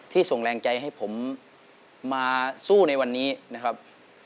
ส่งแรงใจให้ผมมาสู้ในวันนี้นะครับ